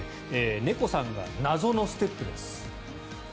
猫さんが謎のステップです。